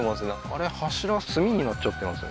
あれ柱炭になっちゃってますね